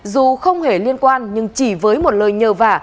dù không hề liên quan nhưng chỉ với một lời nhờ vả